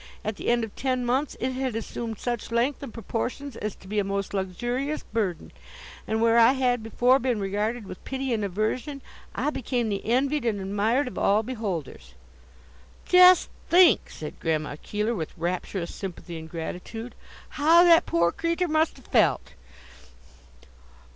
At the end of ten months it had assumed such length and proportions as to be a most luxurious burden, and where I had before been regarded with pity and aversion, I became the envied and admired of all beholders.'" "Just think!" said Grandma Keeler, with rapturous sympathy and gratitude, "how that poor creetur must a' felt!"